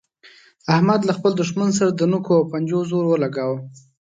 احمد له خپل دوښمن سره د نوکو او پنجو زور ولګاوو.